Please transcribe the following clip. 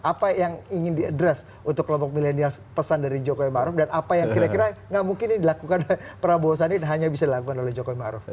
apa yang ingin diadres untuk kelompok millennials pesan dari jokowi ma'ruf dan apa yang kira kira gak mungkin dilakukan oleh prabowo sandiaga hanya bisa dilakukan oleh jokowi ma'ruf